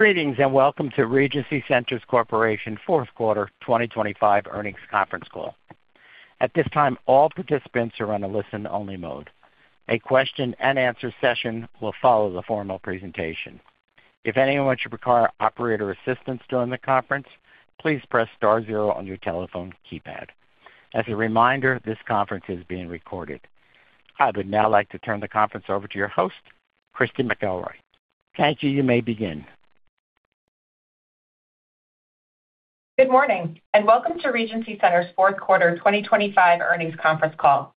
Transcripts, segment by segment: Greetings and welcome to Regency Centers Corporation Q4 2025 earnings conference call. At this time, all participants are on a listen-only mode. A question-and-answer session will follow the formal presentation. If anyone should require operator assistance during the conference, please press star zero on your telephone keypad. As a reminder, this conference is being recorded. I would now like to turn the conference over to your host, Christy McElroy. Thank you. You may begin. Good morning and welcome to Regency Centers Q4 2025 earnings conference call.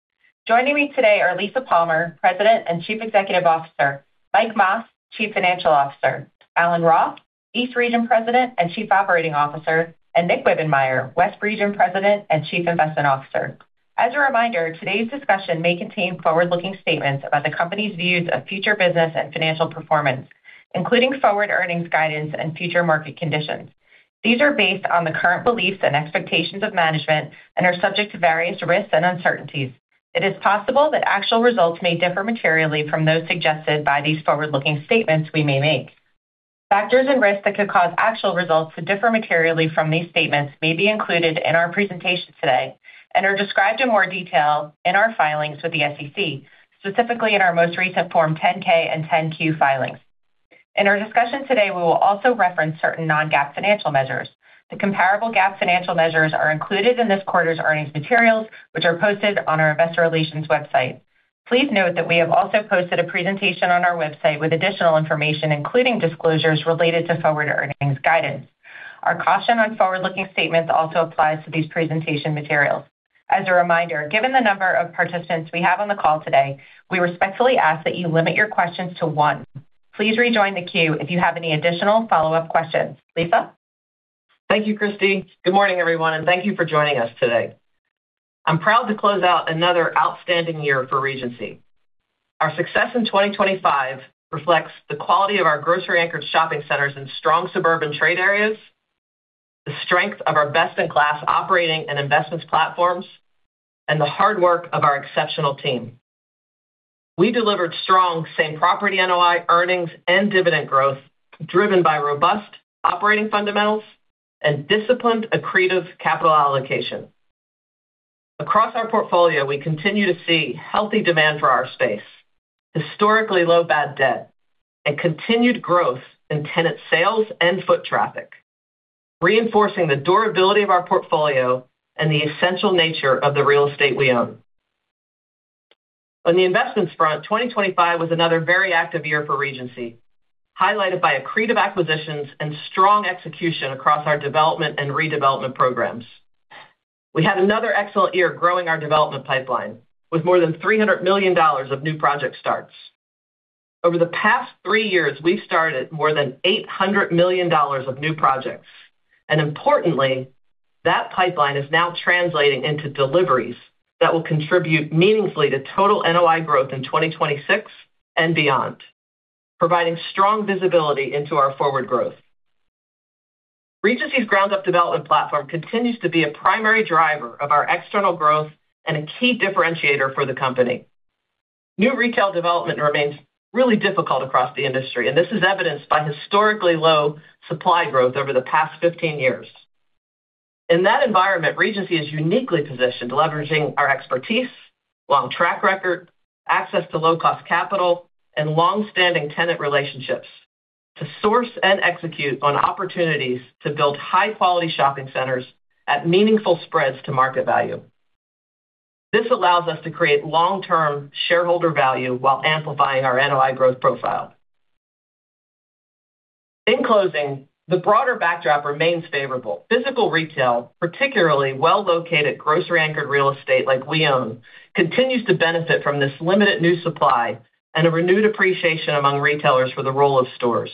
Joining me today are Lisa Palmer, President and Chief Executive Officer; Mike Mas, Chief Financial Officer; Alan Roth, East Region President and Chief Operating Officer; and Nick Wibbenmeyer, West Region President and Chief Investment Officer. As a reminder, today's discussion may contain forward-looking statements about the company's views of future business and financial performance, including forward earnings guidance and future market conditions. These are based on the current beliefs and expectations of management and are subject to various risks and uncertainties. It is possible that actual results may differ materially from those suggested by these forward-looking statements we may make. Factors and risks that could cause actual results to differ materially from these statements may be included in our presentation today and are described in more detail in our filings with the SEC, specifically in our most recent Form 10-K and Form 10-Q filings. In our discussion today, we will also reference certain non-GAAP financial measures. The comparable GAAP financial measures are included in this quarter's earnings materials, which are posted on our investor relations website. Please note that we have also posted a presentation on our website with additional information, including disclosures related to forward earnings guidance. Our caution on forward-looking statements also applies to these presentation materials. As a reminder, given the number of participants we have on the call today, we respectfully ask that you limit your questions to one. Please rejoin the queue if you have any additional follow-up questions. Lisa? Thank you, Christy. Good morning, everyone, and thank you for joining us today. I'm proud to close out another outstanding year for Regency. Our success in 2025 reflects the quality of our grocery-anchored shopping centers in strong suburban trade areas, the strength of our best-in-class operating and investments platforms, and the hard work of our exceptional team. We delivered strong Same-Property NOI earnings and dividend growth driven by robust operating fundamentals and disciplined accretive capital allocation. Across our portfolio, we continue to see healthy demand for our space, historically low bad debt, and continued growth in tenant sales and foot traffic, reinforcing the durability of our portfolio and the essential nature of the real estate we own. On the investments front, 2025 was another very active year for Regency, highlighted by accretive acquisitions and strong execution across our development and redevelopment programs. We had another excellent year growing our development pipeline with more than $300 million of new project starts. Over the past three years, we've started more than $800 million of new projects. And importantly, that pipeline is now translating into deliveries that will contribute meaningfully to total NOI growth in 2026 and beyond, providing strong visibility into our forward growth. Regency's ground-up development platform continues to be a primary driver of our external growth and a key differentiator for the company. New retail development remains really difficult across the industry, and this is evidenced by historically low supply growth over the past 15 years. In that environment, Regency is uniquely positioned leveraging our expertise, long track record, access to low-cost capital, and longstanding tenant relationships to source and execute on opportunities to build high-quality shopping centers at meaningful spreads to market value. This allows us to create long-term shareholder value while amplifying our NOI growth profile. In closing, the broader backdrop remains favorable. Physical retail, particularly well-located grocery-anchored real estate like we own, continues to benefit from this limited new supply and a renewed appreciation among retailers for the role of stores.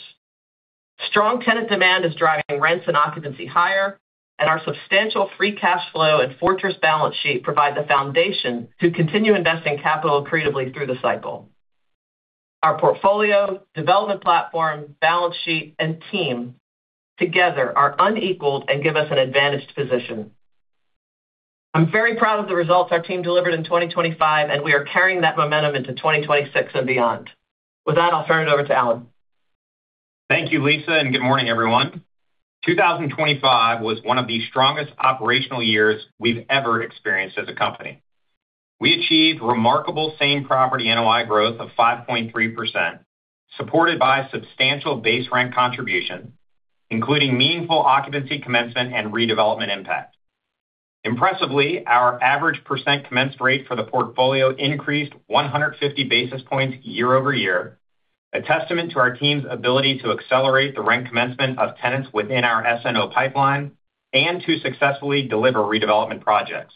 Strong tenant demand is driving rents and occupancy higher, and our substantial free cash flow and fortress balance sheet provide the foundation to continue investing capital accretively through the cycle. Our portfolio, development platform, balance sheet, and team together are unequaled and give us an advantaged position. I'm very proud of the results our team delivered in 2025, and we are carrying that momentum into 2026 and beyond. With that, I'll turn it over to Alan. Thank you, Lisa, and good morning, everyone. 2025 was one of the strongest operational years we've ever experienced as a company. We achieved remarkable same-property NOI growth of 5.3%, supported by substantial base rent contribution, including meaningful occupancy commencement and redevelopment impact. Impressively, our average percent commencement rate for the portfolio increased 150 basis points year-over-year, a testament to our team's ability to accelerate the rent commencement of tenants within our SNO pipeline and to successfully deliver redevelopment projects.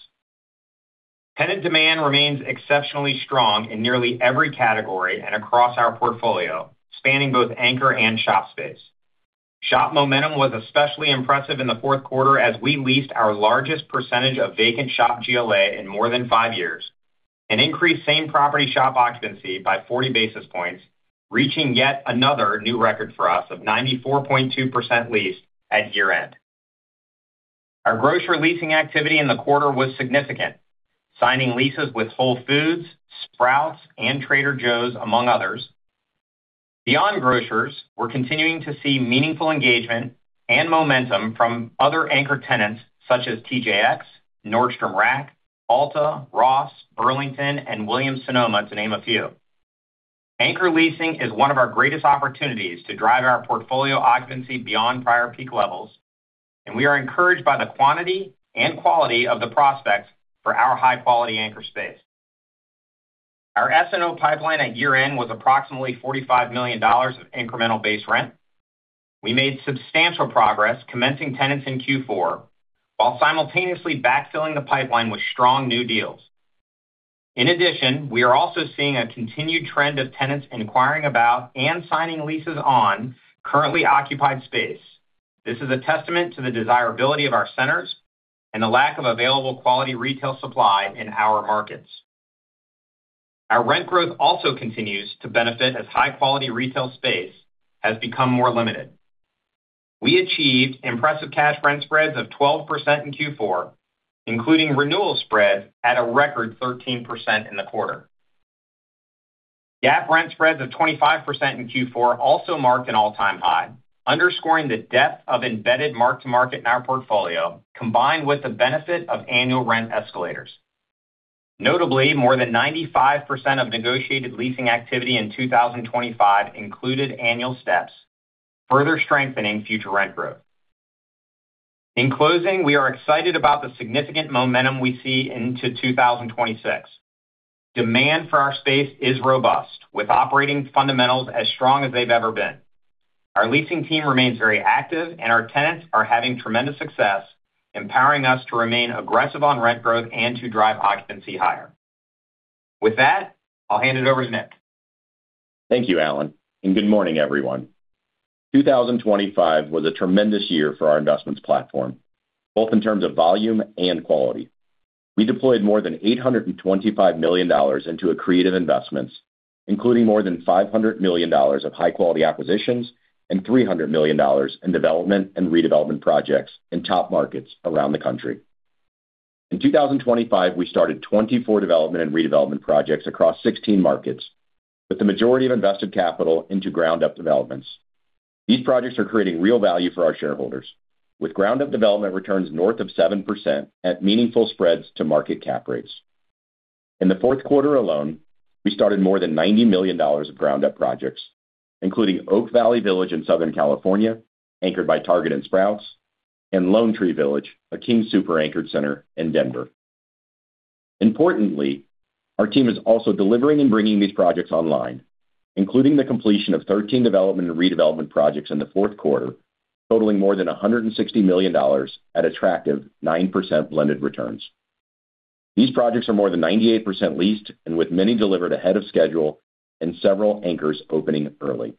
Tenant demand remains exceptionally strong in nearly every category and across our portfolio, spanning both anchor and shop space. Shop momentum was especially impressive in the Q4 as we leased our largest percentage of vacant shop GLA in more than five years, an increase in same-property shop occupancy by 40 basis points, reaching yet another new record for us of 94.2% leased at year-end. Our grocery leasing activity in the quarter was significant, signing leases with Whole Foods, Sprouts, and Trader Joe's, among others. Beyond groceries, we're continuing to see meaningful engagement and momentum from other anchor tenants such as TJX, Nordstrom Rack, Ulta, Ross, Burlington, and Williams-Sonoma, to name a few. Anchor leasing is one of our greatest opportunities to drive our portfolio occupancy beyond prior peak levels, and we are encouraged by the quantity and quality of the prospects for our high-quality anchor space. Our SNO pipeline at year-end was approximately $45 million of incremental base rent. We made substantial progress commencing tenants in Q4 while simultaneously backfilling the pipeline with strong new deals. In addition, we are also seeing a continued trend of tenants inquiring about and signing leases on currently occupied space. This is a testament to the desirability of our centers and the lack of available quality retail supply in our markets. Our rent growth also continues to benefit as high-quality retail space has become more limited. We achieved impressive cash rent spreads of 12% in Q4, including renewal spreads at a record 13% in the quarter. GAAP rent spreads of 25% in Q4 also marked an all-time high, underscoring the depth of embedded mark-to-market in our portfolio, combined with the benefit of annual rent escalators. Notably, more than 95% of negotiated leasing activity in 2025 included annual steps, further strengthening future rent growth. In closing, we are excited about the significant momentum we see into 2026. Demand for our space is robust, with operating fundamentals as strong as they've ever been. Our leasing team remains very active, and our tenants are having tremendous success, empowering us to remain aggressive on rent growth and to drive occupancy higher. With that, I'll hand it over to Nick. Thank you, Alan, and good morning, everyone. 2025 was a tremendous year for our investments platform, both in terms of volume and quality. We deployed more than $825 million into accretive investments, including more than $500 million of high-quality acquisitions and $300 million in development and redevelopment projects in top markets around the country. In 2025, we started 24 development and redevelopment projects across 16 markets, with the majority of invested capital into ground-up developments. These projects are creating real value for our shareholders, with ground-up development returns north of 7% at meaningful spreads to market cap rates. In the Q4 alone, we started more than $90 million of ground-up projects, including Oak Valley Village in Southern California, anchored by Target and Sprouts, and Lone Tree Village, a King Soopers anchored center in Denver. Importantly, our team is also delivering and bringing these projects online, including the completion of 13 development and redevelopment projects in the Q4, totaling more than $160 million at attractive 9% blended returns. These projects are more than 98% leased and with many delivered ahead of schedule and several anchors opening early.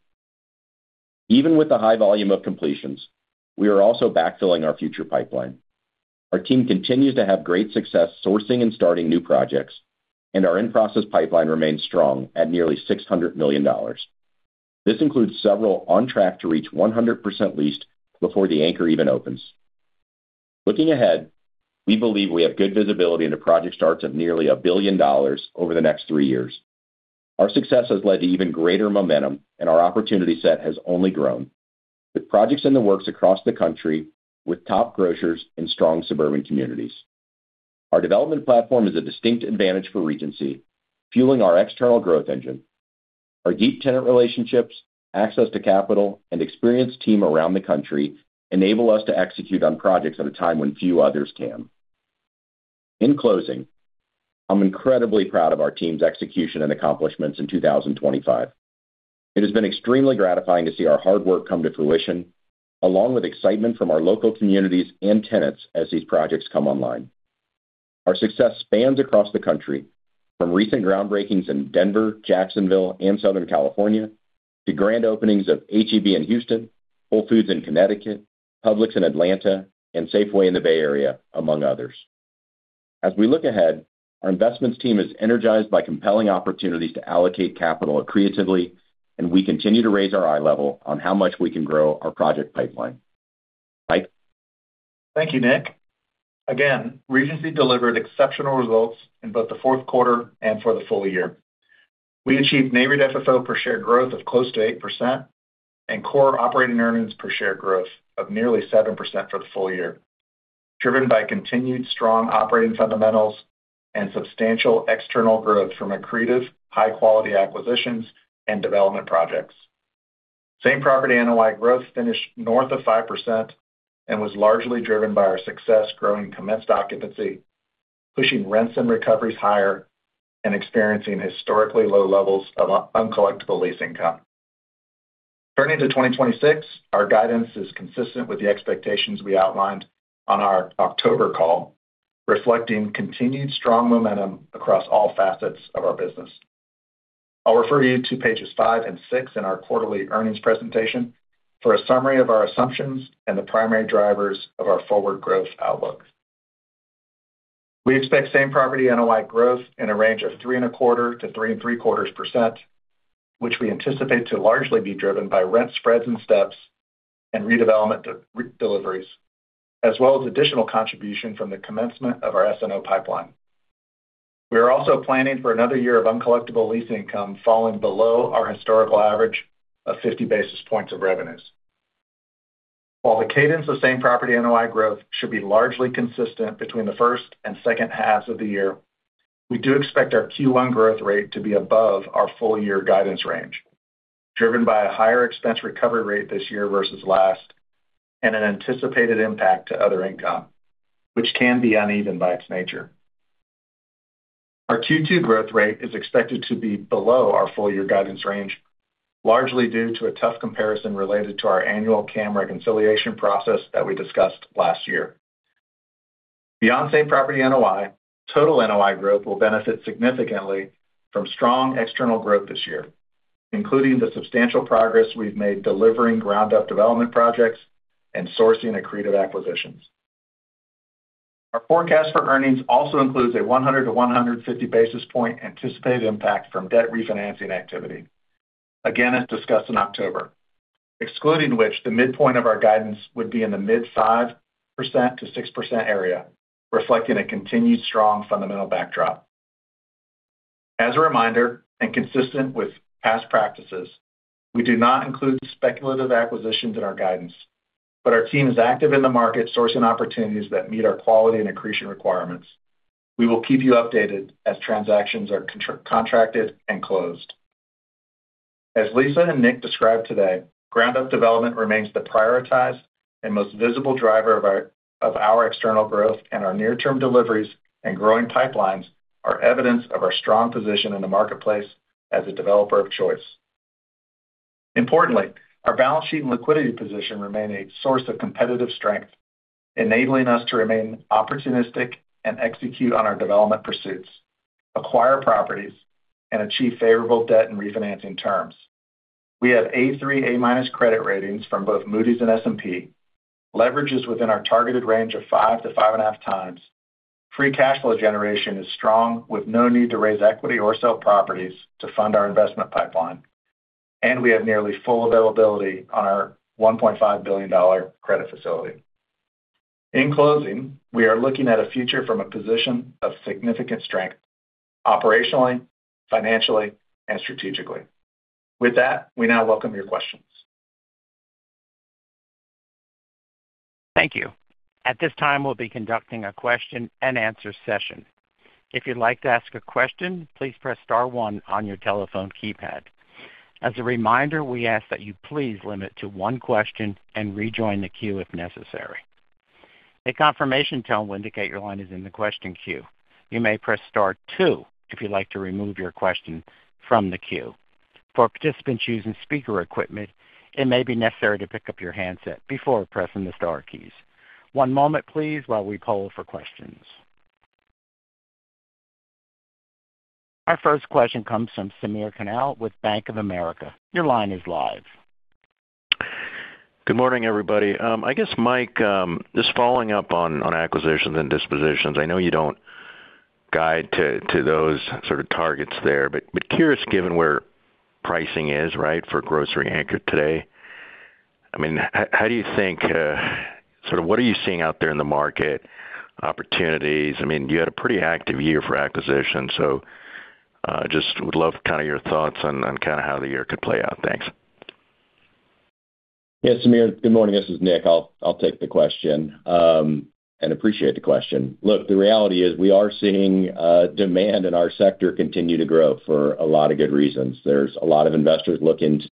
Even with the high volume of completions, we are also backfilling our future pipeline. Our team continues to have great success sourcing and starting new projects, and our in-process pipeline remains strong at nearly $600 million. This includes several on track to reach 100% leased before the anchor even opens. Looking ahead, we believe we have good visibility into project starts of nearly $1 billion over the next three years. Our success has led to even greater momentum, and our opportunity set has only grown, with projects in the works across the country with top groceries in strong suburban communities. Our development platform is a distinct advantage for Regency, fueling our external growth engine. Our deep tenant relationships, access to capital, and experienced team around the country enable us to execute on projects at a time when few others can. In closing, I'm incredibly proud of our team's execution and accomplishments in 2025. It has been extremely gratifying to see our hard work come to fruition, along with excitement from our local communities and tenants as these projects come online. Our success spans across the country, from recent groundbreakings in Denver, Jacksonville, and Southern California to grand openings of H-E-B in Houston, Whole Foods in Connecticut, Publix in Atlanta, and Safeway in the Bay Area, among others. As we look ahead, our investments team is energized by compelling opportunities to allocate capital accretively, and we continue to raise our eye level on how much we can grow our project pipeline. Mike? Thank you, Nick. Again, Regency delivered exceptional results in both the Q4 and for the full year. We achieved NAREIT FFO per share growth of close to 8% and Core Operating Earnings per share growth of nearly 7% for the full year, driven by continued strong operating fundamentals and substantial external growth from accretive, high-quality acquisitions and development projects. Same-Property NOI growth finished north of 5% and was largely driven by our success growing commencement occupancy, pushing rents and recoveries higher, and experiencing historically low levels of Uncollectible Lease Income. Turning to 2026, our guidance is consistent with the expectations we outlined on our October call, reflecting continued strong momentum across all facets of our business. I'll refer you to pages five and six in our quarterly earnings presentation for a summary of our assumptions and the primary drivers of our forward growth outlook. We expect same-property NOI growth in a range of 3.25%-3.75%, which we anticipate to largely be driven by rent spreads and steps and redevelopment deliveries, as well as additional contribution from the commencement of our SNO pipeline. We are also planning for another year of uncollectible lease income falling below our historical average of 50 basis points of revenues. While the cadence of same-property NOI growth should be largely consistent between the first and second halves of the year, we do expect our Q1 growth rate to be above our full-year guidance range, driven by a higher expense recovery rate this year versus last and an anticipated impact to other income, which can be uneven by its nature. Our Q2 growth rate is expected to be below our full-year guidance range, largely due to a tough comparison related to our annual CAM reconciliation process that we discussed last year. Beyond same-property NOI, total NOI growth will benefit significantly from strong external growth this year, including the substantial progress we've made delivering ground-up development projects and sourcing accretive acquisitions. Our forecast for earnings also includes a 100-150 basis point anticipated impact from debt refinancing activity, again as discussed in October, excluding which the midpoint of our guidance would be in the mid-5%-6% area, reflecting a continued strong fundamental backdrop. As a reminder, and consistent with past practices, we do not include speculative acquisitions in our guidance, but our team is active in the market sourcing opportunities that meet our quality and accretion requirements. We will keep you updated as transactions are contracted and closed. As Lisa and Nick described today, ground-up development remains the prioritized and most visible driver of our external growth, and our near-term deliveries and growing pipelines are evidence of our strong position in the marketplace as a developer of choice. Importantly, our balance sheet and liquidity position remain a source of competitive strength, enabling us to remain opportunistic and execute on our development pursuits, acquire properties, and achieve favorable debt and refinancing terms. We have A3, A- credit ratings from both Moody's and S&P, leverage within our targeted range of 5-5.5x, free cash flow generation is strong with no need to raise equity or sell properties to fund our investment pipeline, and we have nearly full availability on our $1.5 billion credit facility. In closing, we are looking at a future from a position of significant strength operationally, financially, and strategically. With that, we now welcome your questions. Thank you. At this time, we'll be conducting a question-and-answer session. If you'd like to ask a question, please press star 1 on your telephone keypad. As a reminder, we ask that you please limit to one question and rejoin the queue if necessary. A confirmation tone will indicate your line is in the question queue. You may press star 2 if you'd like to remove your question from the queue. For participants using speaker equipment, it may be necessary to pick up your handset before pressing the star keys. One moment, please, while we poll for questions. Our first question comes from Samir Khanal with Bank of America. Your line is live. Good morning, everybody. I guess, Mike, just following up on acquisitions and dispositions. I know you don't guide to those sort of targets there, but curious, given where pricing is, right, for grocery anchor today, I mean, how do you think sort of what are you seeing out there in the market, opportunities? I mean, you had a pretty active year for acquisitions, so just would love kind of your thoughts on kind of how the year could play out. Thanks. Yeah, Samir, good morning. This is Nick. I'll take the question and appreciate the question. Look, the reality is we are seeing demand in our sector continue to grow for a lot of good reasons. There's a lot of investors looking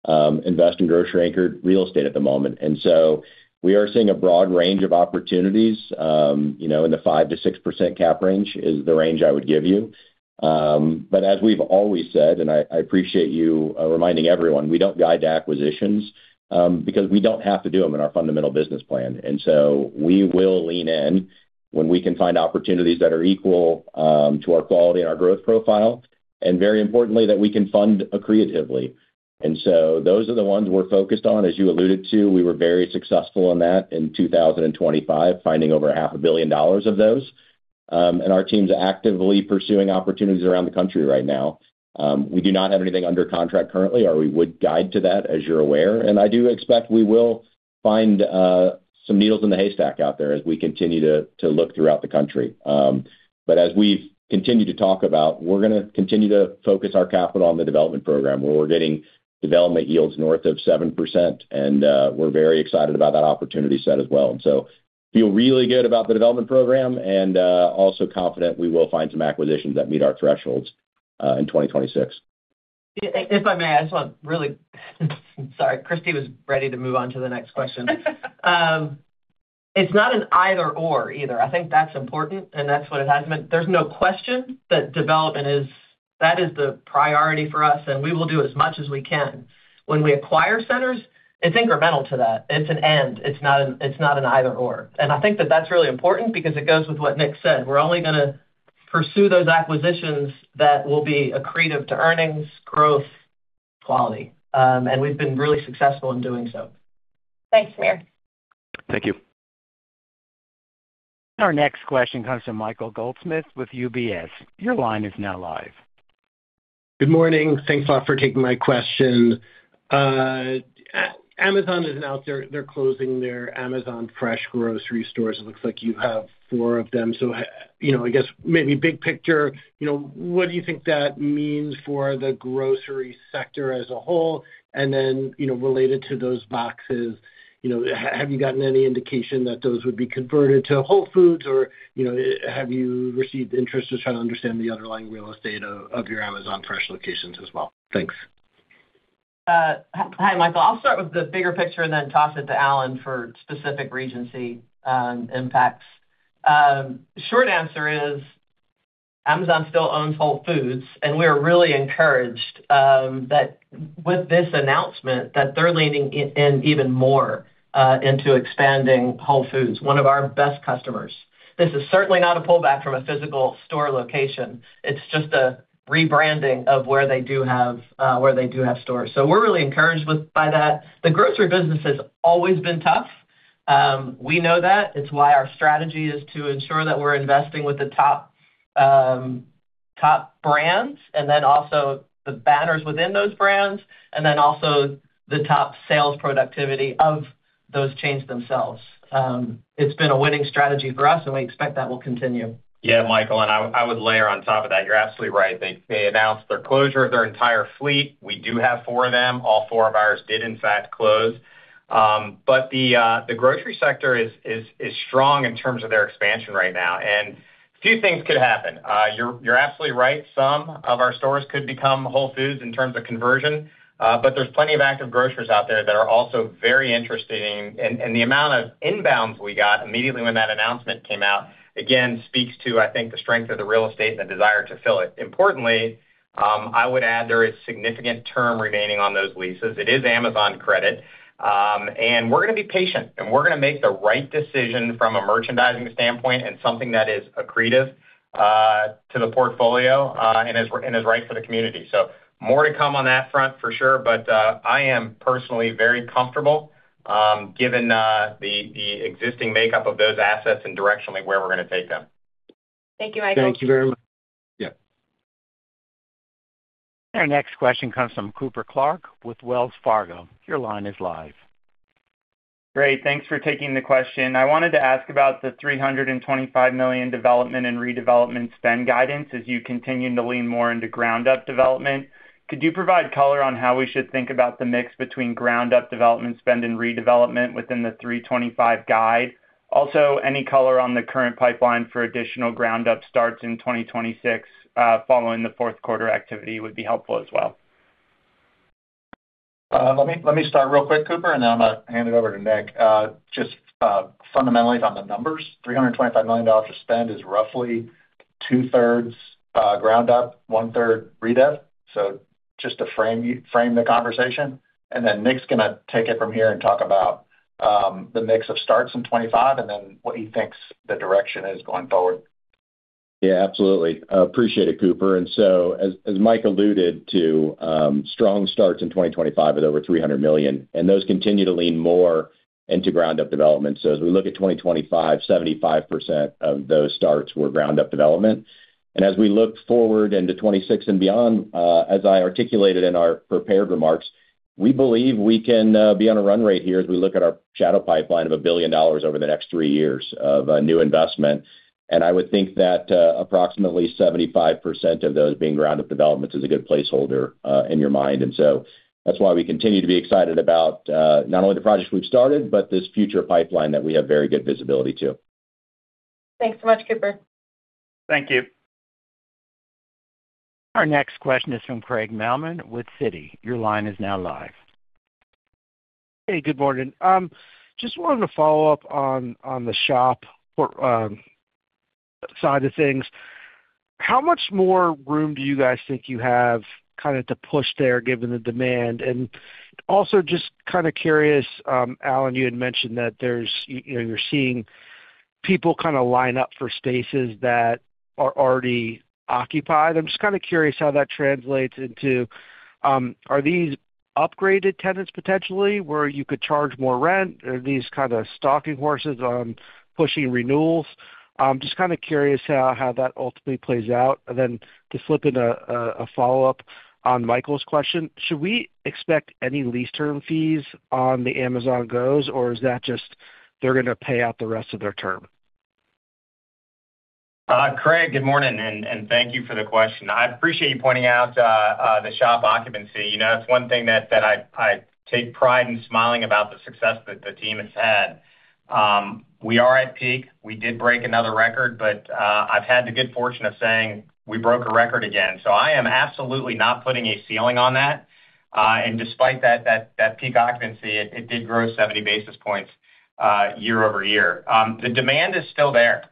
to invest in grocery anchored real estate at the moment. And so we are seeing a broad range of opportunities. In the 5%-6% cap range is the range I would give you. But as we've always said, and I appreciate you reminding everyone, we don't guide to acquisitions because we don't have to do them in our fundamental business plan. And so we will lean in when we can find opportunities that are equal to our quality and our growth profile, and very importantly, that we can fund accretively. And so those are the ones we're focused on. As you alluded to, we were very successful in that in 2025, finding over $500 million of those. Our team's actively pursuing opportunities around the country right now. We do not have anything under contract currently, or we would guide to that, as you're aware. I do expect we will find some needles in the haystack out there as we continue to look throughout the country. But as we've continued to talk about, we're going to continue to focus our capital on the development program, where we're getting development yields north of 7%, and we're very excited about that opportunity set as well. So feel really good about the development program and also confident we will find some acquisitions that meet our thresholds in 2026. If I may, I just want to really sorry, Christy was ready to move on to the next question. It's not an either/or either. I think that's important, and that's what it has meant. There's no question that development is that is the priority for us, and we will do as much as we can. When we acquire centers, it's incremental to that. It's an end. It's not an either/or. And I think that that's really important because it goes with what Nick said. We're only going to pursue those acquisitions that will be accretive to earnings, growth, quality. And we've been really successful in doing so. Thanks, Samir. Thank you. Our next question comes from Michael Goldsmith with UBS. Your line is now live. Good morning. Thanks a lot for taking my question. Amazon is out there. They're closing their Amazon Fresh grocery stores. It looks like you have four of them. So I guess maybe big picture, what do you think that means for the grocery sector as a whole? And then related to those boxes, have you gotten any indication that those would be converted to Whole Foods, or have you received interest to try to understand the underlying real estate of your Amazon Fresh locations as well? Thanks. Hi, Michael. I'll start with the bigger picture and then toss it to Alan for specific Regency impacts. Short answer is Amazon still owns Whole Foods, and we are really encouraged with this announcement that they're leaning in even more into expanding Whole Foods, one of our best customers. This is certainly not a pullback from a physical store location. It's just a rebranding of where they do have where they do have stores. So we're really encouraged by that. The grocery business has always been tough. We know that. It's why our strategy is to ensure that we're investing with the top brands and then also the banners within those brands and then also the top sales productivity of those chains themselves. It's been a winning strategy for us, and we expect that will continue. Yeah, Michael, and I would layer on top of that. You're absolutely right. They announced their closure of their entire fleet. We do have 4 of them. All 4 of ours did, in fact, close. But the grocery sector is strong in terms of their expansion right now. And a few things could happen. You're absolutely right. Some of our stores could become Whole Foods in terms of conversion, but there's plenty of active groceries out there that are also very interesting. And the amount of inbounds we got immediately when that announcement came out, again, speaks to, I think, the strength of the real estate and the desire to fill it. Importantly, I would add there is significant term remaining on those leases. It is Amazon credit. And we're going to be patient, and we're going to make the right decision from a merchandising standpoint and something that is accretive to the portfolio and is right for the community. So more to come on that front, for sure. But I am personally very comfortable given the existing makeup of those assets and directionally where we're going to take them. Thank you, Michael. Thank you very much. Yeah. Our next question comes from Cooper Clark with Wells Fargo. Your line is live. Great. Thanks for taking the question. I wanted to ask about the $325 million development and redevelopment spend guidance as you continue to lean more into ground-up development. Could you provide color on how we should think about the mix between ground-up development spend and redevelopment within the $325 guide? Also, any color on the current pipeline for additional ground-up starts in 2026 following the Q4 activity would be helpful as well. Let me start real quick, Cooper, and then I'm going to hand it over to Nick. Just fundamentally, on the numbers, $325 million of spend is roughly two-thirds ground-up, one-third redef, so just to frame the conversation. And then Nick's going to take it from here and talk about the mix of starts in 2025 and then what he thinks the direction is going forward. Yeah, absolutely. Appreciate it, Cooper. And so as Mike alluded to, strong starts in 2025 with over $300 million, and those continue to lean more into ground-up development. So as we look at 2025, 75% of those starts were ground-up development. And as we look forward into 2026 and beyond, as I articulated in our prepared remarks, we believe we can be on a run rate here as we look at our shadow pipeline of $1 billion over the next three years of new investment. And I would think that approximately 75% of those being ground-up developments is a good placeholder in your mind. And so that's why we continue to be excited about not only the projects we've started, but this future pipeline that we have very good visibility to. Thanks so much, Cooper. Thank you. Our next question is from Craig Mailman with Citi. Your line is now live. Hey, good morning. Just wanted to follow up on the shop side of things. How much more room do you guys think you have kind of to push there given the demand? And also just kind of curious, Alan, you had mentioned that you're seeing people kind of line up for spaces that are already occupied. I'm just kind of curious how that translates into are these upgraded tenants potentially where you could charge more rent? Are these kind of stalking horses on pushing renewals? Just kind of curious how that ultimately plays out. And then to slip in a follow-up on Michael's question, should we expect any lease term fees on the Amazon Go's, or is that just they're going to pay out the rest of their term? Craig, good morning, and thank you for the question. I appreciate you pointing out the shop occupancy. It's one thing that I take pride in smiling about the success that the team has had. We are at peak. We did break another record, but I've had the good fortune of saying we broke a record again. So I am absolutely not putting a ceiling on that. And despite that peak occupancy, it did grow 70 basis points year-over-year. The demand is still there,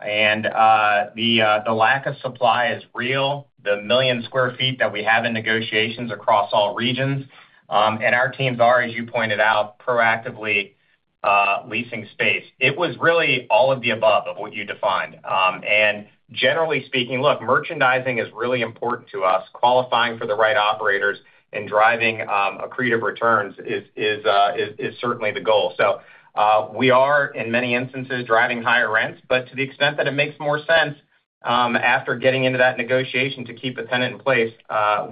and the lack of supply is real. The 1 million sq ft that we have in negotiations across all regions, and our teams are, as you pointed out, proactively leasing space. It was really all of the above of what you defined. And generally speaking, look, merchandising is really important to us. Qualifying for the right operators and driving accretive returns is certainly the goal. So we are, in many instances, driving higher rents. But to the extent that it makes more sense after getting into that negotiation to keep a tenant in place,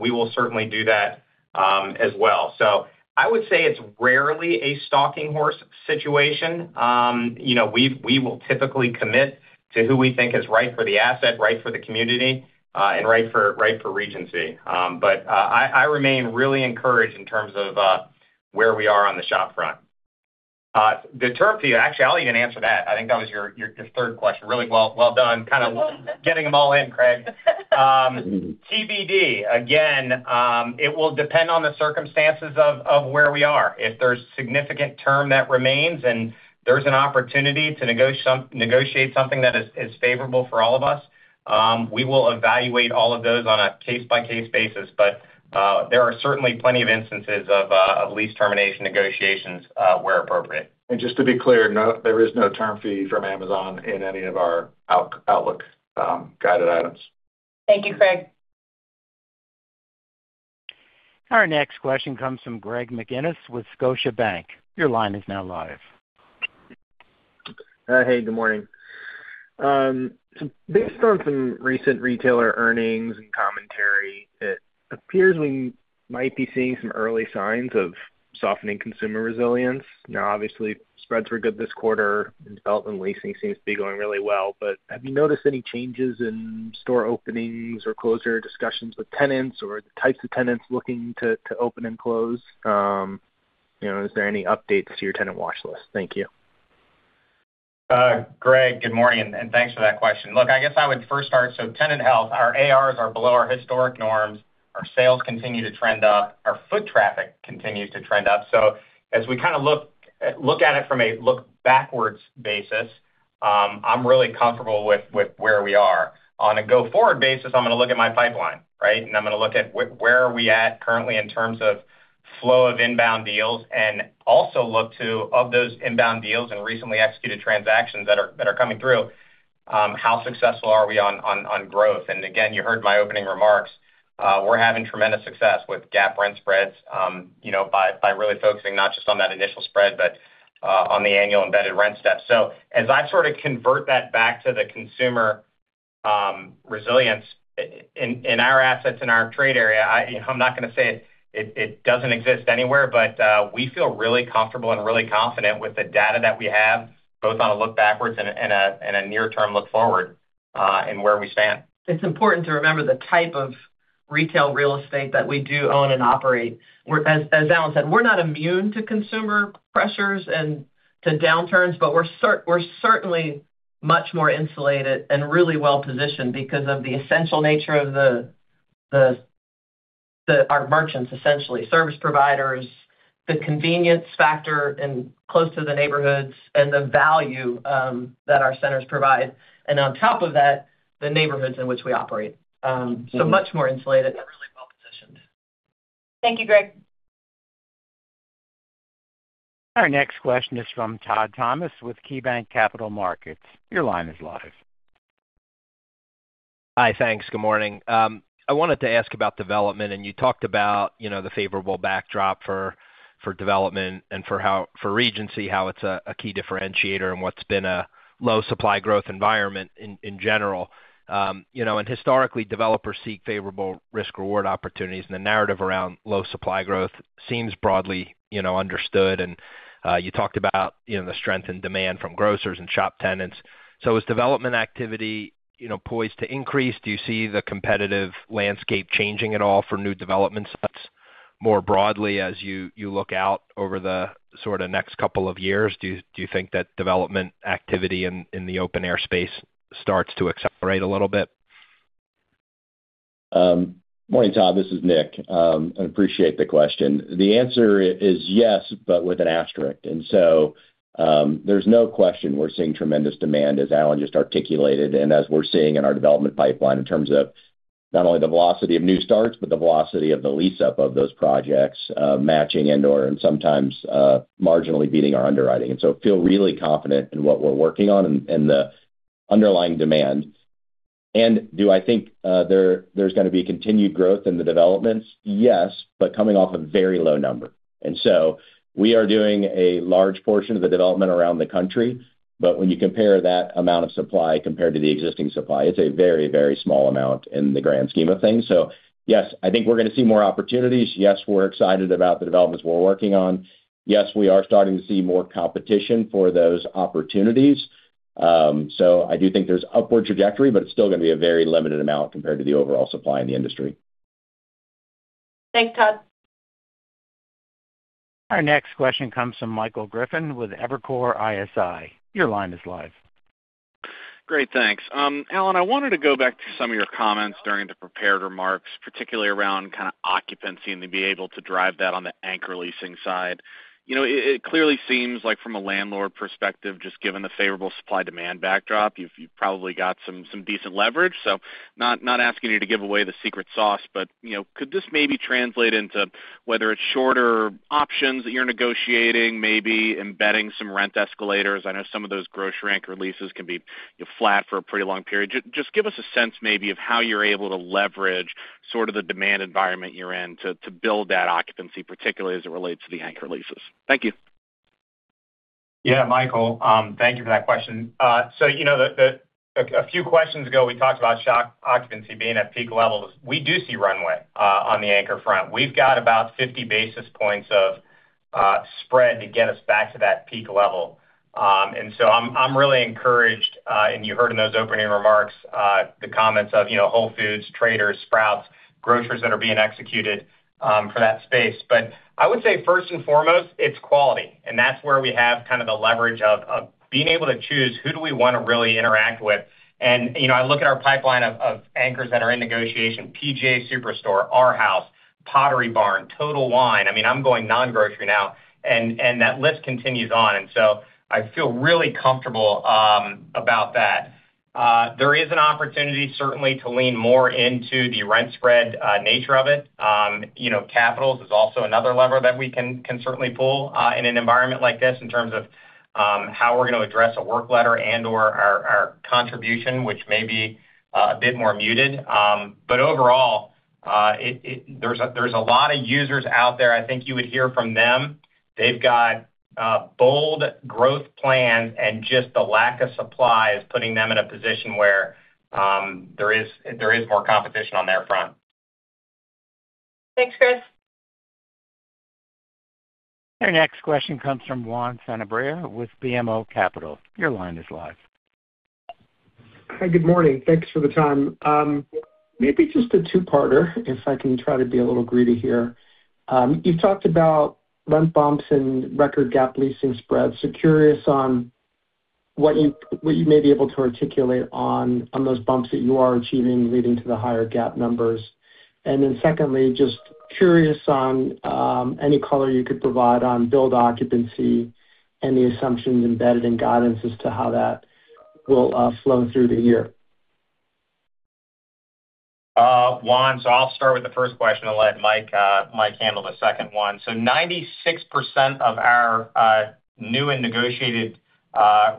we will certainly do that as well. So I would say it's rarely a stalking horse situation. We will typically commit to who we think is right for the asset, right for the community, and right for Regency. But I remain really encouraged in terms of where we are on the shop front. The term fee actually, Ali, you didn't answer that. I think that was your third question. Really well done. Kind of getting them all in, Craig. TBD, again, it will depend on the circumstances of where we are. If there's significant term that remains and there's an opportunity to negotiate something that is favorable for all of us, we will evaluate all of those on a case-by-case basis. There are certainly plenty of instances of lease termination negotiations where appropriate. Just to be clear, there is no term fee from Amazon in any of our Outlook guided items. Thank you, Craig. Our next question comes from Greg McGinniss with Scotiabank. Your line is now live. Hey, good morning. So based on some recent retailer earnings and commentary, it appears we might be seeing some early signs of softening consumer resilience. Now, obviously, spreads were good this quarter, and development leasing seems to be going really well. But have you noticed any changes in store openings or closure discussions with tenants or the types of tenants looking to open and close? Is there any updates to your tenant watchlist? Thank you. Greg, good morning, and thanks for that question. Look, I guess I would first start so tenant health, our ARs are below our historic norms. Our sales continue to trend up. Our foot traffic continues to trend up. So as we kind of look at it from a look-backwards basis, I'm really comfortable with where we are. On a go-forward basis, I'm going to look at my pipeline, right? And I'm going to look at where are we at currently in terms of flow of inbound deals and also look to, of those inbound deals and recently executed transactions that are coming through, how successful are we on growth? And again, you heard my opening remarks. We're having tremendous success with gap rent spreads by really focusing not just on that initial spread, but on the annual embedded rent step. As I sort of convert that back to the consumer resilience in our assets in our trade area, I'm not going to say it doesn't exist anywhere, but we feel really comfortable and really confident with the data that we have, both on a look-backwards and a near-term look-forward, in where we stand. It's important to remember the type of retail real estate that we do own and operate. As Alan said, we're not immune to consumer pressures and to downturns, but we're certainly much more insulated and really well-positioned because of the essential nature of our merchants, essentially, service providers, the convenience factor in close to the neighborhoods, and the value that our centers provide. On top of that, the neighborhoods in which we operate. So much more insulated and really well-positioned. Thank you, Greg. Our next question is from Todd Thomas with KeyBanc Capital Markets. Your line is live. Hi, thanks. Good morning. I wanted to ask about development, and you talked about the favorable backdrop for development and for Regency, how it's a key differentiator and what's been a low-supply growth environment in general. And historically, developers seek favorable risk-reward opportunities, and the narrative around low-supply growth seems broadly understood. And you talked about the strength in demand from grocers and shop tenants. So is development activity poised to increase? Do you see the competitive landscape changing at all for new development sites more broadly as you look out over the sort of next couple of years? Do you think that development activity in the open-air space starts to accelerate a little bit? Morning, Todd. This is Nick. I appreciate the question. The answer is yes, but with an asterisk. And so there's no question we're seeing tremendous demand, as Alan just articulated, and as we're seeing in our development pipeline in terms of not only the velocity of new starts, but the velocity of the lease-up of those projects matching and/or sometimes marginally beating our underwriting. And so feel really confident in what we're working on and the underlying demand. And do I think there's going to be continued growth in the developments? Yes, but coming off a very low number. And so we are doing a large portion of the development around the country. But when you compare that amount of supply compared to the existing supply, it's a very, very small amount in the grand scheme of things. So yes, I think we're going to see more opportunities. Yes, we're excited about the developments we're working on. Yes, we are starting to see more competition for those opportunities. So I do think there's upward trajectory, but it's still going to be a very limited amount compared to the overall supply in the industry. Thanks, Todd. Our next question comes from Michael Griffin with Evercore ISI. Your line is live. Great, thanks. Alan, I wanted to go back to some of your comments during the prepared remarks, particularly around kind of occupancy and to be able to drive that on the anchor leasing side. It clearly seems like from a landlord perspective, just given the favorable supply-demand backdrop, you've probably got some decent leverage. So not asking you to give away the secret sauce, but could this maybe translate into whether it's shorter options that you're negotiating, maybe embedding some rent escalators? I know some of those grocery anchor leases can be flat for a pretty long period. Just give us a sense maybe of how you're able to leverage sort of the demand environment you're in to build that occupancy, particularly as it relates to the anchor leases. Thank you. Yeah, Michael, thank you for that question. So a few questions ago, we talked about shop occupancy being at peak levels. We do see runway on the anchor front. We've got about 50 basis points of spread to get us back to that peak level. And so I'm really encouraged, and you heard in those opening remarks the comments of Whole Foods, Trader Joe's, Sprouts, groceries that are being executed for that space. But I would say first and foremost, it's quality. And that's where we have kind of the leverage of being able to choose who do we want to really interact with. And I look at our pipeline of anchors that are in negotiation: PGA TOUR Superstore, Arhaus, Pottery Barn, Total Wine. I mean, I'm going non-grocery now, and that list continues on. And so I feel really comfortable about that. There is an opportunity, certainly, to lean more into the rent spread nature of it. Capital is also another lever that we can certainly pull in an environment like this in terms of how we're going to address a work letter and/or our contribution, which may be a bit more muted. But overall, there's a lot of users out there. I think you would hear from them. They've got bold growth plans, and just the lack of supply is putting them in a position where there is more competition on their front. Thanks, Michael. Our next question comes from Juan Sanabria with BMO Capital. Your line is live. Hi, good morning. Thanks for the time. Maybe just a two-parter if I can try to be a little greedy here. You've talked about rent bumps and record gap leasing spreads. So curious on what you may be able to articulate on those bumps that you are achieving leading to the higher gap numbers. And then secondly, just curious on any color you could provide on build occupancy and the assumptions embedded in guidance as to how that will flow through the year. Juan, so I'll start with the first question. I'll let Mike handle the second one. So 96% of our new and negotiated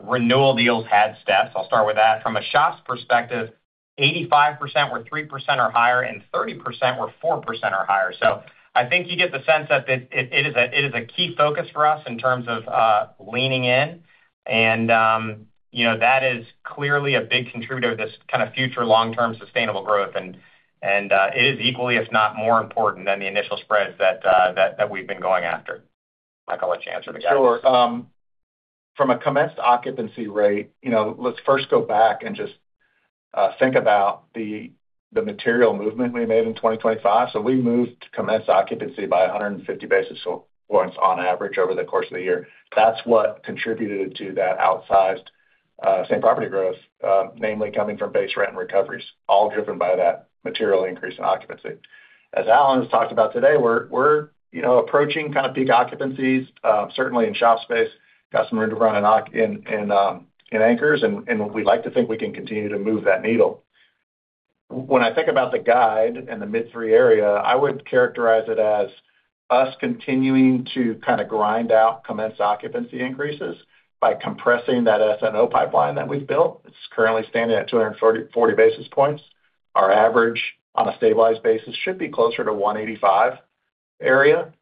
renewal deals had steps. I'll start with that. From a shop's perspective, 85% were 3% or higher, and 30% were 4% or higher. So I think you get the sense that it is a key focus for us in terms of leaning in. And that is clearly a big contributor to this kind of future long-term sustainable growth. And it is equally, if not more important, than the initial spreads that we've been going after. Michael, let you answer the guidance. Sure. From a commenced occupancy rate, let's first go back and just think about the material movement we made in 2025. We moved commenced occupancy by 150 basis points on average over the course of the year. That's what contributed to that outsized same property growth, namely coming from base rent and recoveries, all driven by that material increase in occupancy. As Alan has talked about today, we're approaching kind of peak occupancies, certainly in shop space, customer-rented run in anchors, and we'd like to think we can continue to move that needle. When I think about the guide and the mid-3% area, I would characterize it as us continuing to kind of grind out commenced occupancy increases by compressing that SNO pipeline that we've built. It's currently standing at 240 basis points. Our average on a stabilized basis should be closer to 185 area.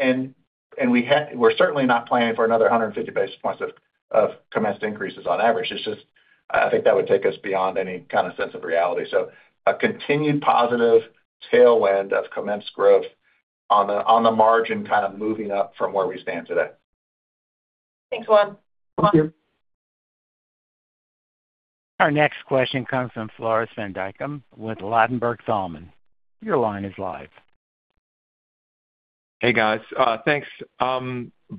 We're certainly not planning for another 150 basis points of commenced increases on average. I think that would take us beyond any kind of sense of reality. A continued positive tailwind of commenced growth on the margin kind of moving up from where we stand today. Thanks, Juan. Thank you. Our next question comes from Floris van Dijkum with Ladenburg Thalmann. Your line is live. Hey, guys. Thanks.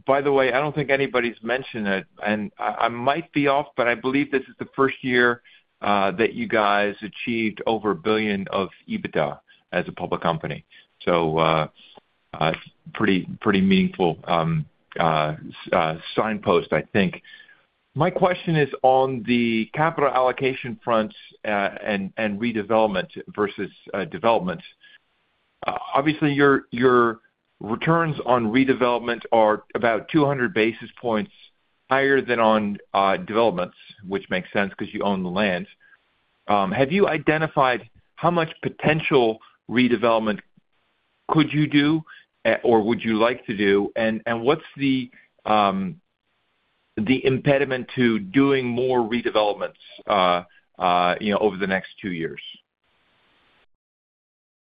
By the way, I don't think anybody's mentioned it. And I might be off, but I believe this is the first year that you guys achieved over $1 billion of EBITDA as a public company. So it's a pretty meaningful signpost, I think. My question is on the capital allocation fronts and redevelopment versus developments. Obviously, your returns on redevelopment are about 200 basis points higher than on developments, which makes sense because you own the land. Have you identified how much potential redevelopment could you do or would you like to do? And what's the impediment to doing more redevelopments over the next two years?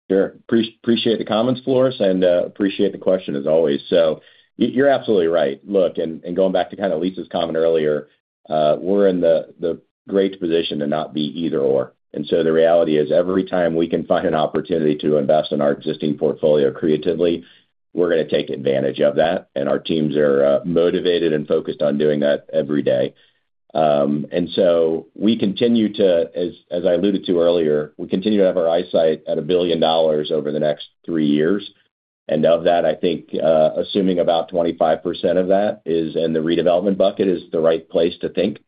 Sure. Appreciate the comments, Floris, and appreciate the question as always. So you're absolutely right. Look, and going back to kind of Lisa's comment earlier, we're in the great position to not be either/or. And so the reality is every time we can find an opportunity to invest in our existing portfolio creatively, we're going to take advantage of that. And our teams are motivated and focused on doing that every day. And so we continue to, as I alluded to earlier, we continue to have our eyesight at $1 billion over the next three years. And of that, I think assuming about 25% of that is in the redevelopment bucket is the right place to think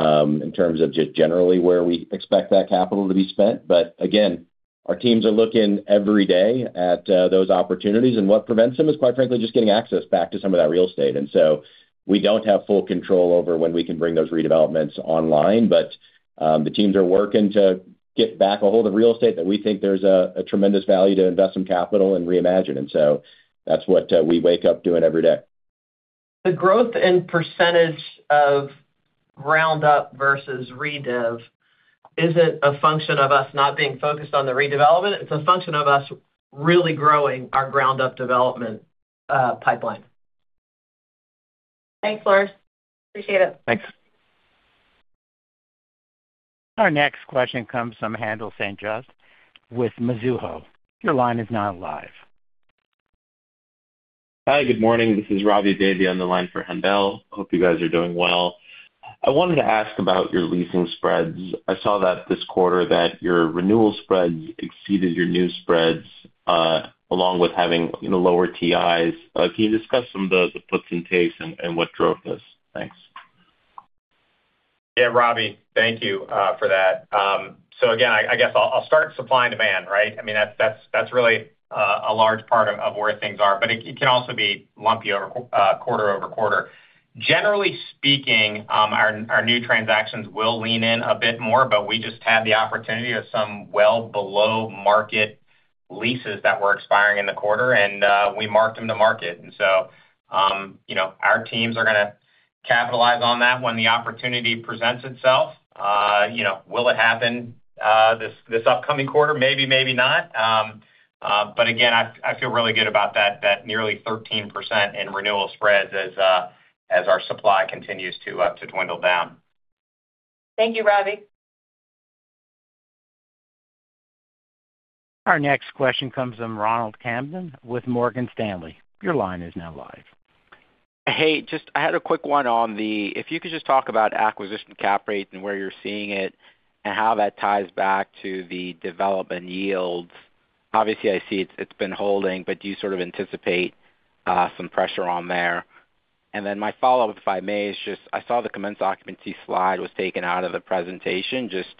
in terms of just generally where we expect that capital to be spent. But again, our teams are looking every day at those opportunities. What prevents them is, quite frankly, just getting access back to some of that real estate. And so we don't have full control over when we can bring those redevelopments online. But the teams are working to get back a hold of real estate that we think there's a tremendous value to invest some capital in and reimagine. And so that's what we wake up doing every day. The growth in percentage of ground-up versus redev, is it a function of us not being focused on the redevelopment? It's a function of us really growing our ground-up development pipeline. Thanks, Floris. Appreciate it. Thanks. Our next question comes from Haendel St. Juste with Mizuho. Your line is now live. Hi, good morning. This is Ravi Vaidya on the line for Haendel St. Juste. Hope you guys are doing well. I wanted to ask about your leasing spreads. I saw this quarter that your renewal spreads exceeded your new spreads along with having lower TIs. Can you discuss some of the puts and takes and what drove this? Thanks. Yeah, Ravi, thank you for that. So again, I guess I'll start supply and demand, right? I mean, that's really a large part of where things are. But it can also be lumpy quarter-over-quarter. Generally speaking, our new transactions will lean in a bit more, but we just had the opportunity of some well-below-market leases that were expiring in the quarter, and we marked them to market. And so our teams are going to capitalize on that when the opportunity presents itself. Will it happen this upcoming quarter? Maybe, maybe not. But again, I feel really good about that nearly 13% in renewal spreads as our supply continues to dwindle down. Thank you, Ravi. Our next question comes from Ronald Kamdem with Morgan Stanley. Your line is now live. Hey, just I had a quick one on the if you could just talk about acquisition cap rate and where you're seeing it and how that ties back to the development yields. Obviously, I see it's been holding, but do you sort of anticipate some pressure on there? And then my follow-up, if I may, is just I saw the commenced occupancy slide was taken out of the presentation. Just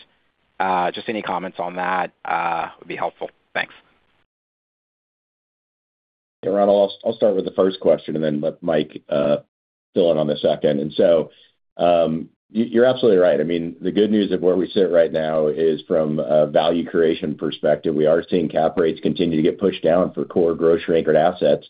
any comments on that would be helpful. Thanks. Yeah, Ronald, I'll start with the first question and then let Mike fill in on the second. And so you're absolutely right. I mean, the good news of where we sit right now is from a value creation perspective, we are seeing cap rates continue to get pushed down for core grocery anchored assets.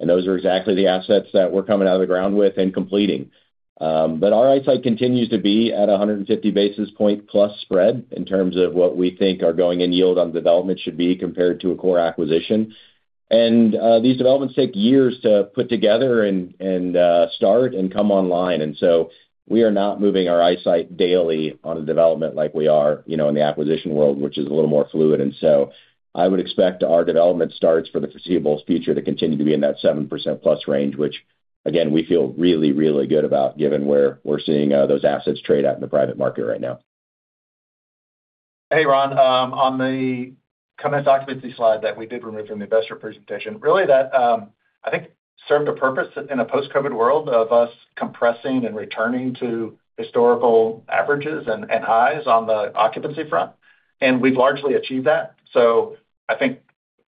And those are exactly the assets that we're coming out of the ground with and completing. But our eyesight continues to be at 150 basis points-plus spread in terms of what we think our going-in yield on development should be compared to a core acquisition. And these developments take years to put together and start and come online. And so we are not moving our eyesight daily on a development like we are in the acquisition world, which is a little more fluid. And so I would expect our development starts for the foreseeable future to continue to be in that 7%+ range, which, again, we feel really, really good about given where we're seeing those assets trade out in the private market right now. Hey, Ron, on the commenced occupancy slide that we did remove from the investor presentation, really, that I think served a purpose in a post-COVID world of us compressing and returning to historical averages and highs on the occupancy front. And we've largely achieved that. So I think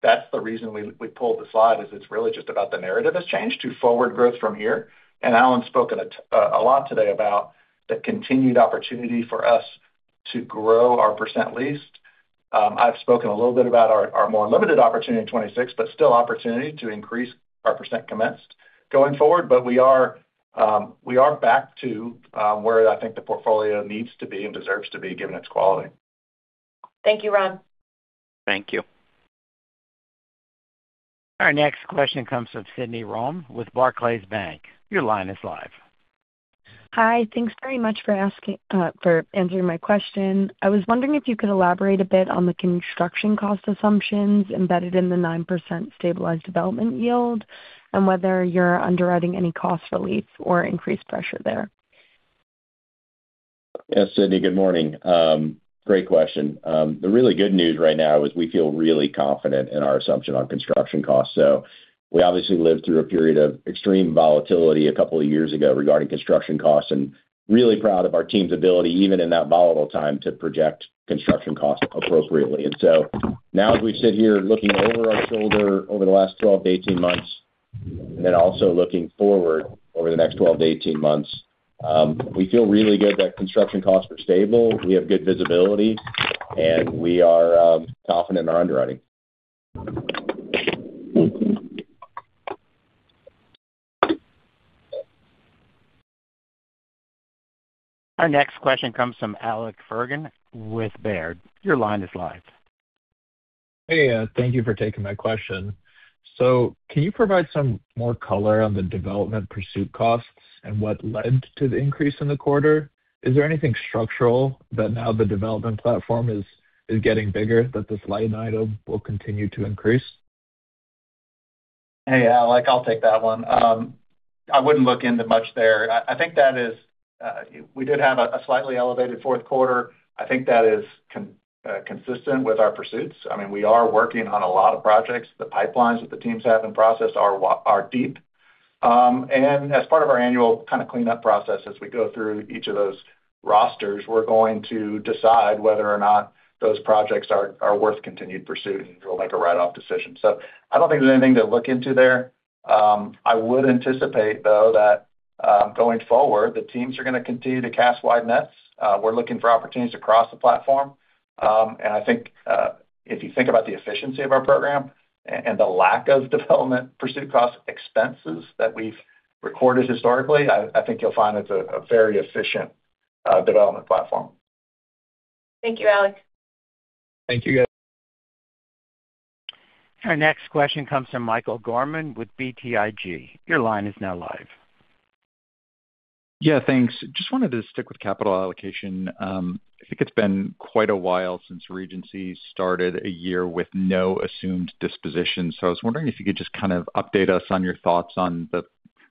that's the reason we pulled the slide is it's really just about the narrative has changed to forward growth from here. And Alan's spoken a lot today about the continued opportunity for us to grow our percent leased. I've spoken a little bit about our more limited opportunity in 2026, but still opportunity to increase our percent commenced going forward. But we are back to where I think the portfolio needs to be and deserves to be given its quality. Thank you, Ron. Thank you. Our next question comes from Sydney Wessinger with Barclays Bank. Your line is live. Hi, thanks very much for answering my question. I was wondering if you could elaborate a bit on the construction cost assumptions embedded in the 9% stabilized development yield and whether you're underwriting any cost relief or increased pressure there. Yeah, Sydney, good morning. Great question. The really good news right now is we feel really confident in our assumption on construction costs. So we obviously lived through a period of extreme volatility a couple of years ago regarding construction costs and really proud of our team's ability, even in that volatile time, to project construction costs appropriately. And so now as we sit here looking over our shoulder over the last 12-18 months and then also looking forward over the next 12-18 months, we feel really good that construction costs were stable. We have good visibility, and we are confident in our underwriting. Thank you. Our next question comes from Alex Fagan with Baird. Your line is live. Hey, thank you for taking my question. So can you provide some more color on the development pursuit costs and what led to the increase in the quarter? Is there anything structural that now the development platform is getting bigger that this line item will continue to increase? Hey, Alec, I'll take that one. I wouldn't look into much there. I think that is, we did have a slightly elevated Q4. I think that is consistent with our pursuits. I mean, we are working on a lot of projects. The pipelines that the teams have in process are deep. And as part of our annual kind of cleanup process, as we go through each of those rosters, we're going to decide whether or not those projects are worth continued pursuit and we'll make a write-off decision. So I don't think there's anything to look into there. I would anticipate, though, that going forward, the teams are going to continue to cast wide nets. We're looking for opportunities across the platform. I think if you think about the efficiency of our program and the lack of development pursuit cost expenses that we've recorded historically, I think you'll find it's a very efficient development platform. Thank you, Alec. Thank you, guys. Our next question comes from Michael Gorman with BTIG. Your line is now live. Yeah, thanks. Just wanted to stick with capital allocation. I think it's been quite a while since Regency started a year with no assumed disposition. So I was wondering if you could just kind of update us on your thoughts on the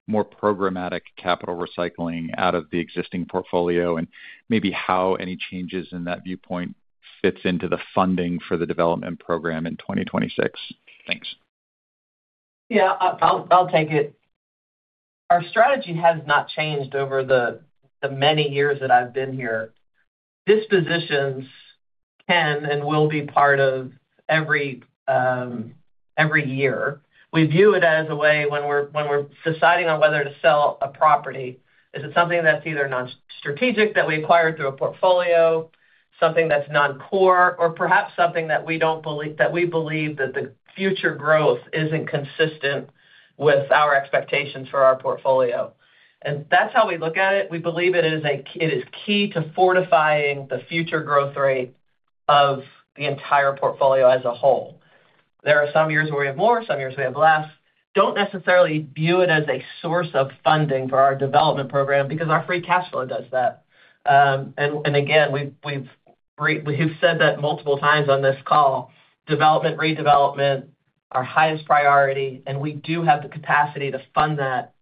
more programmatic capital recycling out of the existing portfolio and maybe how any changes in that viewpoint fits into the funding for the development program in 2026. Thanks. Yeah, I'll take it. Our strategy has not changed over the many years that I've been here. Dispositions can and will be part of every year. We view it as a way when we're deciding on whether to sell a property, is it something that's either non-strategic that we acquired through a portfolio, something that's non-core, or perhaps something that we believe that the future growth isn't consistent with our expectations for our portfolio. And that's how we look at it. We believe it is key to fortifying the future growth rate of the entire portfolio as a whole. There are some years where we have more. Some years we have less. Don't necessarily view it as a source of funding for our development program because our free cash flow does that. And again, we've said that multiple times on this call: development, redevelopment, our highest priority, and we do have the capacity to fund that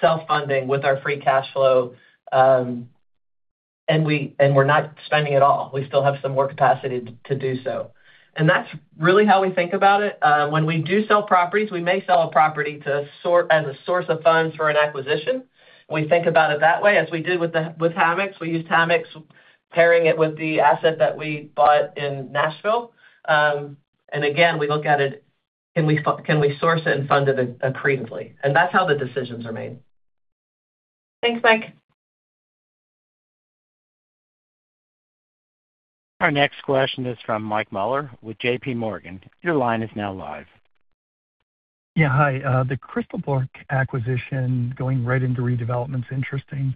self-funding with our free cash flow. And we're not spending it all. We still have some more capacity to do so. And that's really how we think about it. When we do sell properties, we may sell a property as a source of funds for an acquisition. We think about it that way as we did with HAMEX. We used HAMEX, pairing it with the asset that we bought in Nashville. And again, we look at it, can we source it and fund it accretively? And that's how the decisions are made. Thanks, Mike. Our next question is from Mike Mueller with J.P. Morgan. Your line is now live. Yeah, hi. The Crystal Park acquisition going right into redevelopment is interesting.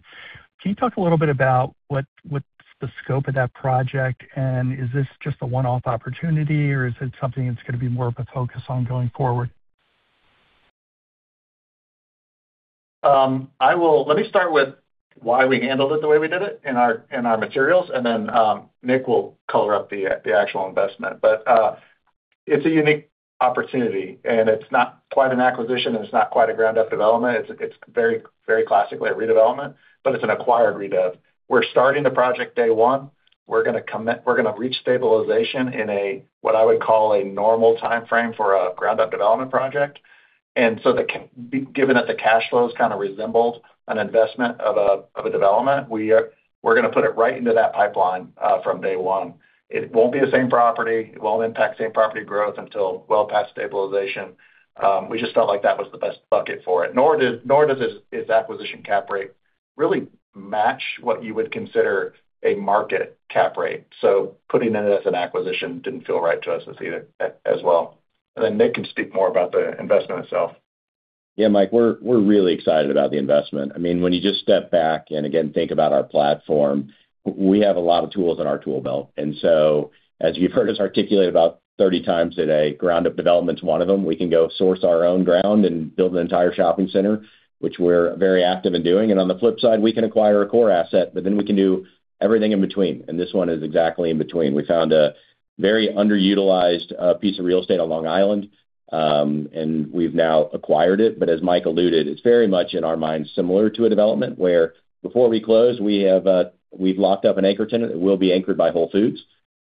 Can you talk a little bit about what's the scope of that project? And is this just a one-off opportunity, or is it something that's going to be more of a focus on going forward? Let me start with why we handled it the way we did it in our materials, and then Nick will color up the actual investment. But it's a unique opportunity, and it's not quite an acquisition, and it's not quite a ground-up development. It's very classically a redevelopment, but it's an acquired redev. We're starting the project day one. We're going to reach stabilization in what I would call a normal timeframe for a ground-up development project. And so given that the cash flows kind of resembled an investment of a development, we're going to put it right into that pipeline from day one. It won't be the same property. It won't impact same property growth until well past stabilization. We just felt like that was the best bucket for it. Nor does its acquisition cap rate really match what you would consider a market cap rate. Putting it as an acquisition didn't feel right to us as well. Then Nick can speak more about the investment itself. Yeah, Mike, we're really excited about the investment. I mean, when you just step back and again think about our platform, we have a lot of tools in our tool belt. And so as you've heard us articulate about 30 times today, ground-up development is one of them. We can go source our own ground and build an entire shopping center, which we're very active in doing. And on the flip side, we can acquire a core asset, but then we can do everything in between. And this one is exactly in between. We found a very underutilized piece of real estate on Long Island, and we've now acquired it. But as Mike alluded, it's very much in our minds similar to a development where before we close, we've locked up an anchor tenant. It will be anchored by Whole Foods.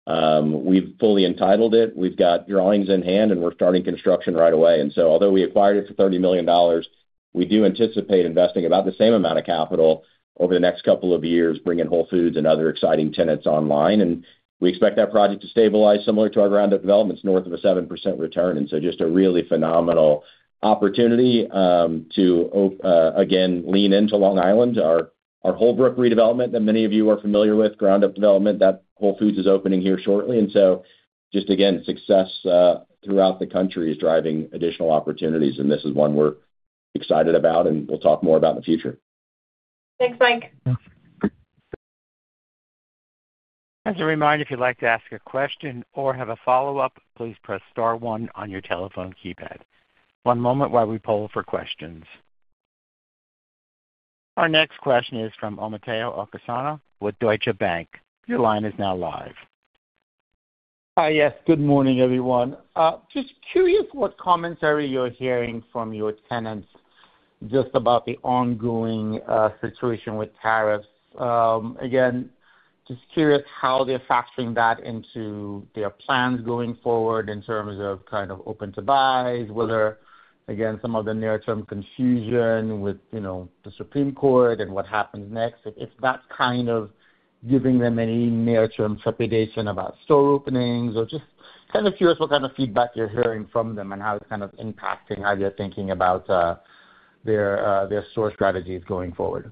We've fully entitled it. We've got drawings in hand, and we're starting construction right away. Although we acquired it for $30 million, we do anticipate investing about the same amount of capital over the next couple of years, bringing Whole Foods and other exciting tenants online. We expect that project to stabilize similar to our ground-up developments north of a 7% return. Just a really phenomenal opportunity to, again, lean into Long Island, our Holbrook redevelopment that many of you are familiar with, ground-up development that Whole Foods is opening here shortly. Success throughout the country is driving additional opportunities. This is one we're excited about, and we'll talk more about in the future. Thanks, Mike. As a reminder, if you'd like to ask a question or have a follow-up, please press star one on your telephone keypad. One moment while we poll for questions. Our next question is from Omotayo Okusanya with Deutsche Bank. Your line is now live. Hi, yes. Good morning, everyone. Just curious what comments are you hearing from your tenants just about the ongoing situation with tariffs. Again, just curious how they're factoring that into their plans going forward in terms of kind of open to buys, whether, again, some of the near-term confusion with the Supreme Court and what happens next, if that's kind of giving them any near-term trepidation about store openings, or just kind of curious what kind of feedback you're hearing from them and how it's kind of impacting how they're thinking about their source strategies going forward.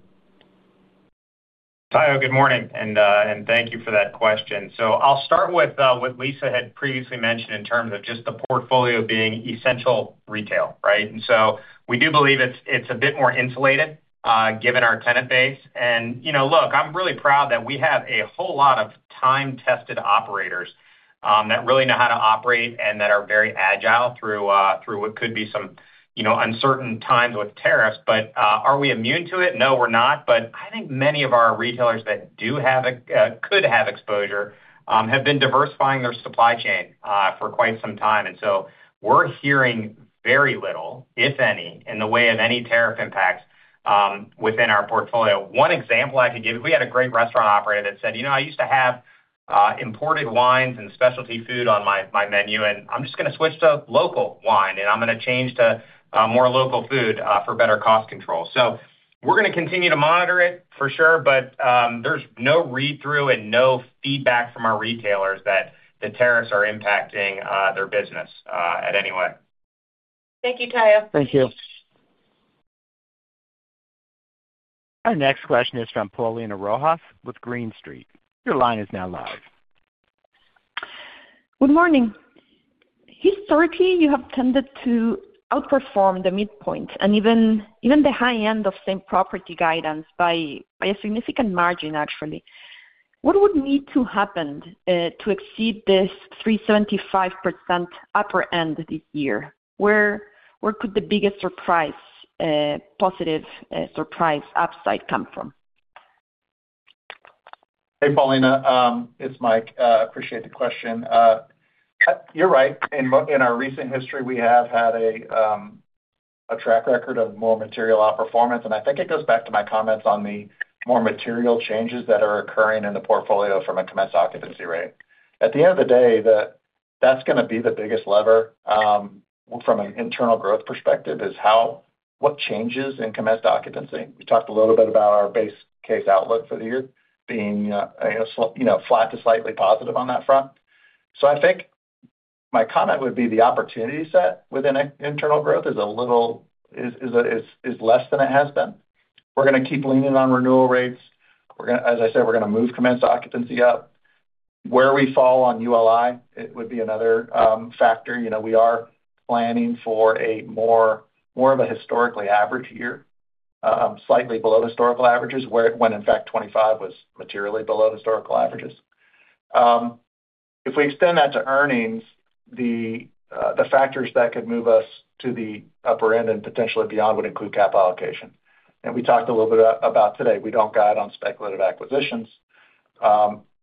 Hi. Oh, good morning. And thank you for that question. So I'll start with what Lisa had previously mentioned in terms of just the portfolio being essential retail, right? And so we do believe it's a bit more insulated given our tenant base. And look, I'm really proud that we have a whole lot of time-tested operators that really know how to operate and that are very agile through what could be some uncertain times with tariffs. But are we immune to it? No, we're not. But I think many of our retailers that do have could have exposure have been diversifying their supply chain for quite some time. And so we're hearing very little, if any, in the way of any tariff impacts within our portfolio. One example I could give is we had a great restaurant operator that said, "I used to have imported wines and specialty food on my menu, and I'm just going to switch to local wine, and I'm going to change to more local food for better cost control." So we're going to continue to monitor it for sure, but there's no read-through and no feedback from our retailers that the tariffs are impacting their business in any way. Thank you, Tayo. Thank you. Our next question is from Paulina Rojas with Green Street. Your line is now live. Good morning. Historically, you have tended to outperform the midpoint and even the high end of same property guidance by a significant margin, actually. What would need to happen to exceed this 375% upper end this year? Where could the biggest surprise, positive surprise upside come from? Hey, Paulina. It's Mike. Appreciate the question. You're right. In our recent history, we have had a track record of more material outperformance. And I think it goes back to my comments on the more material changes that are occurring in the portfolio from a commenced occupancy rate. At the end of the day, that's going to be the biggest lever from an internal growth perspective is what changes in commenced occupancy. We talked a little bit about our base case outlook for the year being flat to slightly positive on that front. So I think my comment would be the opportunity set within internal growth is a little less than it has been. We're going to keep leaning on renewal rates. As I said, we're going to move commenced occupancy up. Where we fall on ULI, it would be another factor. We are planning for more of a historically average year, slightly below historical averages, when in fact, 2025 was materially below historical averages. If we extend that to earnings, the factors that could move us to the upper end and potentially beyond would include cap allocation. We talked a little bit about today. We don't guide on speculative acquisitions.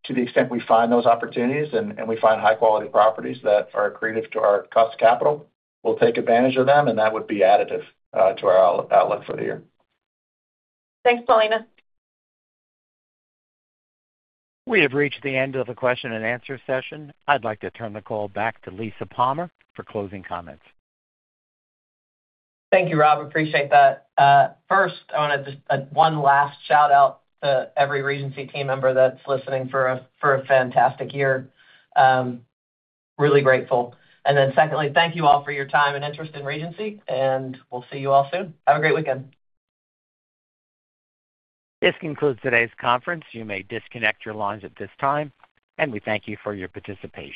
To the extent we find those opportunities and we find high-quality properties that are accretive to our cost capital, we'll take advantage of them, and that would be additive to our outlook for the year. Thanks, Paulina. We have reached the end of the question and answer session. I'd like to turn the call back to Lisa Palmer for closing comments. Thank you, Rob. Appreciate that. First, I want to just one last shout-out to every Regency team member that's listening for a fantastic year. Really grateful. And then secondly, thank you all for your time and interest in Regency, and we'll see you all soon. Have a great weekend. This concludes today's conference. You may disconnect your lines at this time. We thank you for your participation.